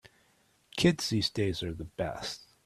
Kids these days are the best.